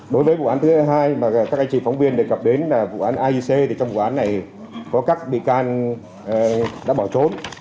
đối với vụ án thứ hai các anh chị phóng viên đề cập đến vụ án iec trong vụ án này có các bị can đã bỏ trốn